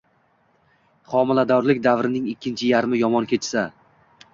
Homiladorlik davrining ikkinchi yarmi yomon kechsa